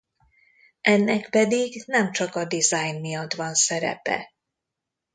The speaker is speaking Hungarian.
Ennek pedig nem csak a design miatt van szerepe.